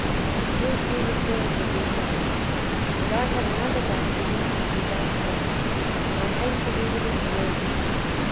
And to this He refers when He says, "And I have another baptism to be baptized with, and I hasten eagerly towards it."